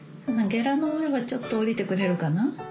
ゲラの上はちょっと下りてくれるかな？